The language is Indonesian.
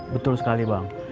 betul sekali bang